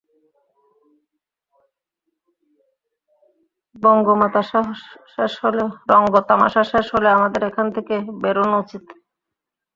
রঙ্গতামাসা শেষ হলে, আমাদের এখান থেকে বেরোনো উচিত।